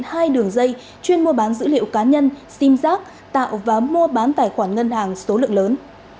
hai đường dây chuyên mua bán dữ liệu cá nhân sim giác tạo và mua bán tài khoản ngân hàng số lượng lớn